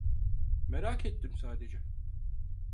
Merak ettim sadece.